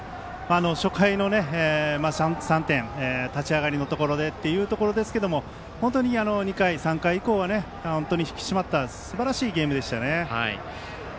初回の３点立ち上がりのところですが本当に２回、３回以降は引き締まったすばらしいゲームでした。